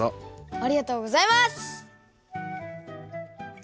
ありがとうございます！